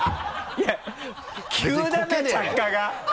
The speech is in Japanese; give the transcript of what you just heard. いや急だな着火が